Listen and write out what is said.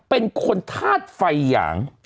เป็นคนธาตุไฟหยาง